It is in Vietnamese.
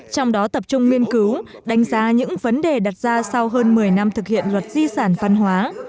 trong đó tập trung nghiên cứu đánh giá những vấn đề đặt ra sau hơn một mươi năm thực hiện luật di sản văn hóa